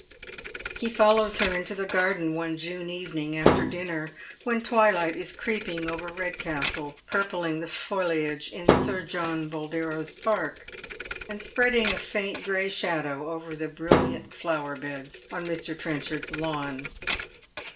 He follows her into the garden one June evening after dinner, when twilight is creeping over Eedcastle, purpling the foliage in Sir John Boldero's park, and spreading a faint gray shadow over the brilliant flower beds on Mr. Trenchard's lawn.